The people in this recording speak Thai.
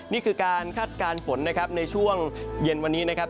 นี่คือการคาดการณ์ฝนนะครับในช่วงเย็นวันนี้นะครับ